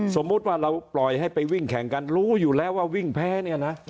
สมมุติว่าเราปล่อยให้ไปวิ่งแข่งกันรู้อยู่แล้วว่าวิ่งแพ้เนี่ยนะ